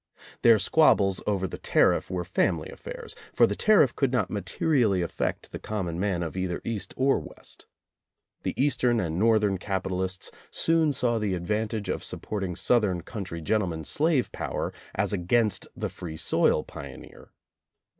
Their squabbles over the tariff were family affairs, for the tariff could not materially affect the common man of either East or West. The Eastern and Northern capitalists soon saw the advantage of supporting Southern country gentleman slave power as against the free soil pioneer.